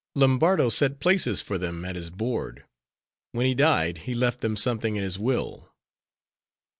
Lombardo set places for them at his board; when he died, he left them something in his will.